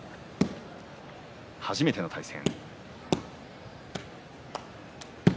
初めての対戦。